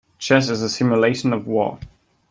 Chess is a simulation of war.